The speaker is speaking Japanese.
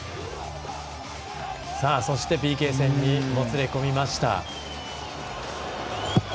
そして、ＰＫ戦にもつれ込みました。